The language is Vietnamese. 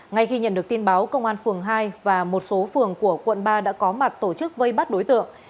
ngay khi nhận được tin báo công an phường hai và một số phường của quận ba đã có mặt tổ chức vây bắt đối tượng